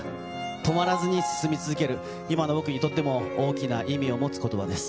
止まらずに進み続ける、今の僕にとっても大きな意味を持つコトバです。